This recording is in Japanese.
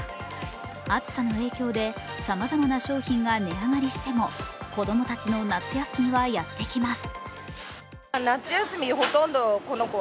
暑さの影響でさまざまな商品が値上がりしても子どもたちの夏休みはやってきます。